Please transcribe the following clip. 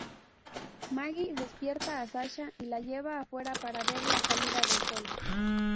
Maggie despierta a Sasha y la lleva afuera para ver la salida del sol.